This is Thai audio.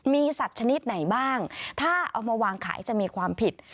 มีสัตว์ชนิดไหนบ้างถ้าเอามาวางขายจะมีความผิด